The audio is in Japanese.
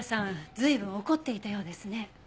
随分怒っていたようですね。